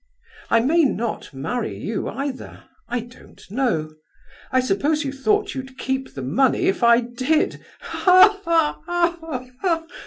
I may not marry you, either. I don't know. I suppose you thought you'd keep the money, if I did! Ha, ha, ha!